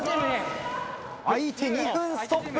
・相手２分ストップ。